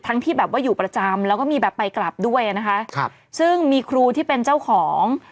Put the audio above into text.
ที่แบบว่าอยู่ประจำแล้วก็มีแบบไปกลับด้วยนะคะครับซึ่งมีครูที่เป็นเจ้าของ